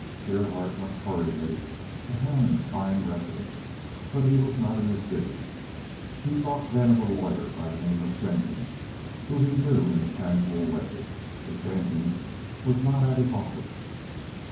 Gerhardt went hurriedly to Hammond's fine residence, but he was not in the city. He thought then of a lawyer by the name of Jenkins, whom he knew in a casual way, but Jenkins was not at his office.